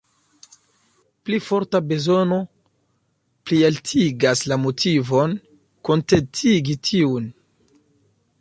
Pli forta bezono plialtigas la motivon kontentigi tiun.